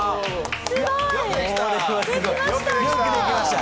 すごい。よくできました。